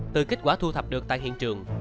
từ kết quả thu thập được tại hiện trường